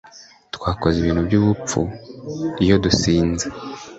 Twese twakoze ibintu byubupfu iyo dusinze